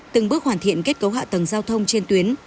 từng bước hoàn thiện kết cấu hạ tầng giao thông trên tuyến